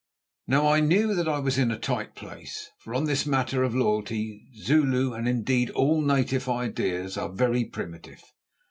Now I knew that I was in a tight place, for on this matter of loyalty, Zulu, and indeed all native ideas, are very primitive.